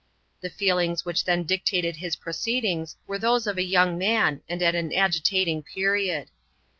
The feelings which then dictated his proceedings were those of a young man, and at an agitating period.